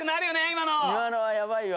今のはやばいわ。